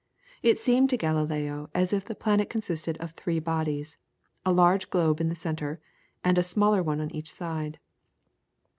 It seemed to Galileo as if the planet consisted of three bodies, a large globe in the centre, and a smaller one on each side.